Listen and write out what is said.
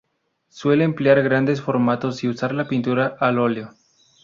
Suelen emplear grandes formatos y usar la pintura al óleo.